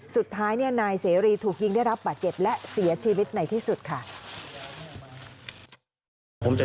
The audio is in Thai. สุดท้ายนายเสรีถูกยิงได้รับบาดเจ็บและเสียชีวิตในที่สุดค่ะ